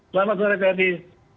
selamat sore pak dino